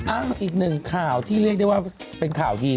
อีกหนึ่งข่าวที่เรียกได้ว่าเป็นข่าวดี